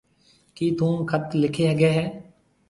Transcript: ڪِي ٿُون خط لکي هگھيَََ هيَ؟